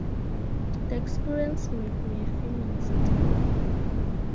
The experience made me a feminist.